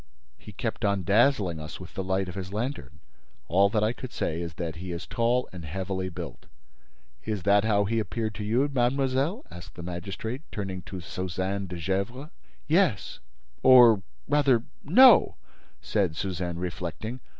"He kept on dazzling us with the light of his lantern. All that I could say is that he is tall and heavily built." "Is that how he appeared to you, mademoiselle?" asked the magistrate, turning to Suzanne de Gesvres. "Yes—or, rather, no," said Suzanne, reflecting.